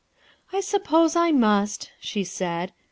"I suppose I must," she said.